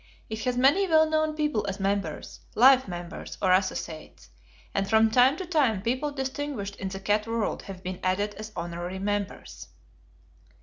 It has many well known people as members, life members, or associates; and from time to time people distinguished in the cat world have been added as honorary members.